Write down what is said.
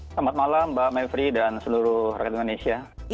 selamat malam mbak mevri dan seluruh rakyat indonesia